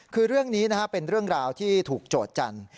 คือเรื่องนี้เป็นเรื่องราวที่ถูกโจทย์จันทร์